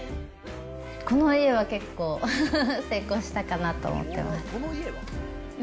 この家は結構、成功したかなと思ってます。